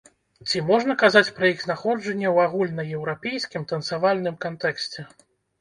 Ці можна казаць пра іх знаходжанне ў агульнаеўрапейскім танцавальным кантэксце?